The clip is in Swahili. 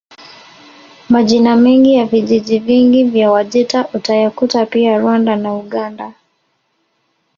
Majina mengi ya vijiji vingi vya Wajita utayakuta pia Rwanda na Uganda